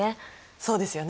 そうですよね。